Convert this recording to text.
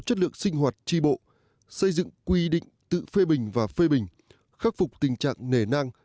chất lượng sinh hoạt tri bộ xây dựng quy định tự phê bình và phê bình khắc phục tình trạng nề nang